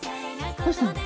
どうしたの？